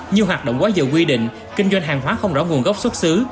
nhiều hoạt động quá dự quy định kinh doanh hàng hóa không rõ nguồn gốc xuất xứ